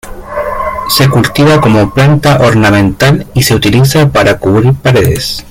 Se cultiva como planta ornamental y se utiliza para cubrir paredes.